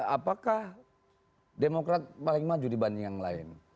apakah demokrat paling maju dibanding yang lain